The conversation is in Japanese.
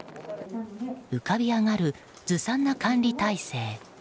浮かび上がるずさんな管理体制。